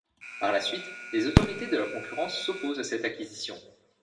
Par la suite, les autorités de la concurrence, s'opposent à cette acquisition.